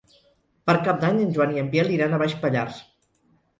Per Cap d'Any en Joan i en Biel iran a Baix Pallars.